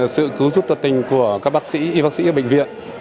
sự cứu giúp tận tình của các bác sĩ y bác sĩ ở bệnh viện